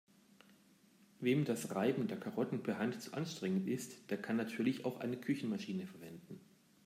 Wem das Reiben der Karotten per Hand zu anstrengend ist, der kann natürlich auch eine Küchenmaschine verwenden.